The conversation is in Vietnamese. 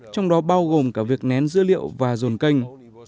trong đó bao gồm cả việc nén dữ liệu và dồn kênh